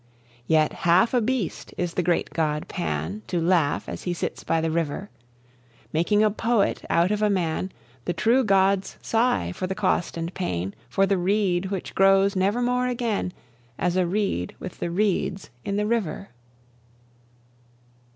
Yet half a beast is the great god Pan, To laugh as he sits by the river, Making a poet out of a man: The true gods sigh for the cost and pain, For the reed which grows nevermore again As a reed with the reeds in the river.